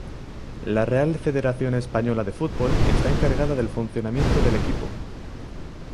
La Real Federación Española de Fútbol está encargada del funcionamiento del equipo.